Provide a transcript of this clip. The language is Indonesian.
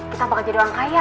kita bakal jadi orang kaya